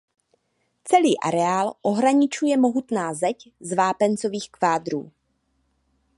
Celý areál ohraničuje mohutná zeď z vápencových kvádrů.